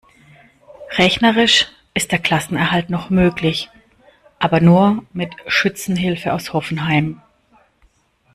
Rechnerisch ist der Klassenerhalt noch möglich, aber nur mit Schützenhilfe aus Hoffenheim.